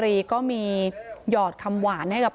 บนเนี่ยบนมันตกอายุเง่าอีกอีก